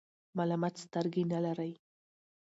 ملامت سترګي نلری .